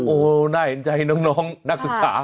โอ้โหน่าเห็นใจน้องนักศึกษา